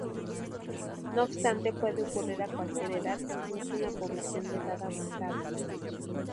No obstante, puede ocurrir a cualquier edad, incluso en la población de edad avanzada.